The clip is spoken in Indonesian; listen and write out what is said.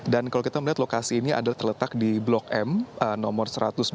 dan kalau kita melihat lokasi ini adalah terletak di blok m nomor satu ratus dua puluh sembilan